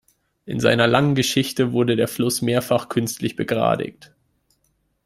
In seiner langen Geschichte wurde der Fluss mehrfach künstlich begradigt.